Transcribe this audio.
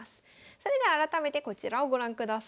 それでは改めてこちらをご覧ください。